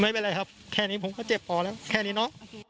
ไม่เป็นไรครับแค่นี้ผมก็เจ็บพอแล้วแค่นี้เนาะ